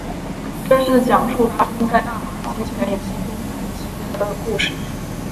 这是讲述发生在大马金钱游戏崩盘期间的故事。